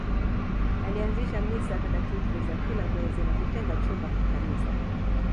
Alianzisha Misa takatifu za kila mwezi na kutenga chumba kikanisa